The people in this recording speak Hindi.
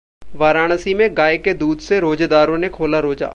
वाराणसी में गाय के दूध से रोजेदारों ने खोला रोजा